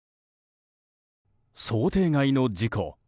想定外の事故。